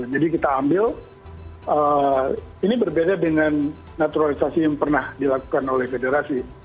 jadi kita ambil ini berbeda dengan naturalisasi yang pernah dilakukan oleh federasi